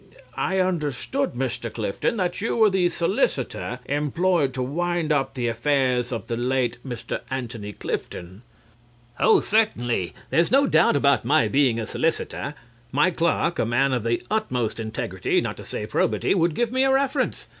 I understood, Mr. Clifton, that you were the solicitor employed to wind up the affairs of the late Mr. Antony Clifton. CLIFTON. Oh, certainly. Oh, there's no doubt about my being a solicitor. My clerk, a man of the utmost integrity, not to say probity, would give me a reference.